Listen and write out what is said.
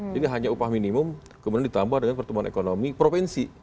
jadi hanya upah minimum kemudian ditambah dengan pertumbuhan ekonomi provinsi